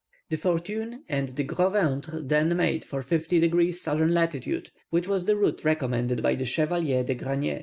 The Fortune and the Gros ventre then made for 50 degrees S. lat., which was the route recommended by the Chevalier de Grenier.